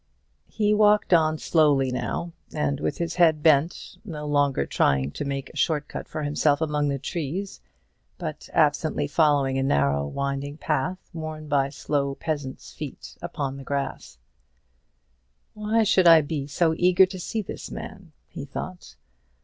He walked on slowly now, and with his head bent, no longer trying to make a short cut for himself among the trees, but absently following a narrow winding path worn by slow peasants' feet upon the grass. "Why should I be so eager to see this man?" he thought.